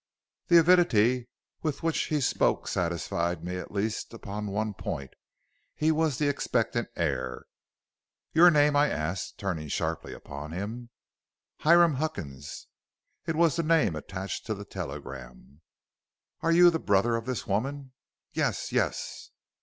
"'The avidity with which he spoke satisfied me at least upon one point he was the expectant heir. "'Your name?' I asked, turning sharply upon him. "'Hiram Huckins.' "It was the name attached to the telegram. "'And you are the brother of this woman?' "'Yes, yes.'